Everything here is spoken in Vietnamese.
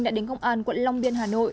đã đến công an quận long biên hà nội